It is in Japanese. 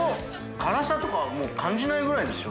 辛さとかはもう感じないぐらいですよ。